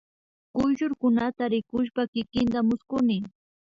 Kuyllurkunata rikushpa kikinta mushkuni